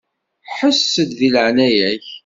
Ḥess-d di leɛnaya-k.